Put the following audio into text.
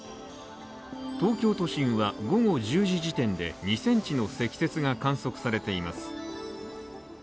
東京都心は午後１０時時点で２ｃｍの積雪が観測されています。